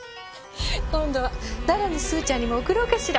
今度は奈良のスーちゃんにも送ろうかしら。